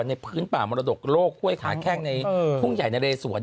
ในพื้นป่ามรดกโลกห้วยขาแข้งในทุ่งใหญ่นะเรสวน